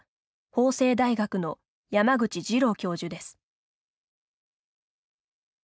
法政大学の山口二郎教授です。